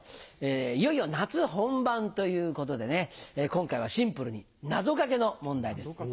いよいよ夏本番ということで今回はシンプルになぞかけの問題です。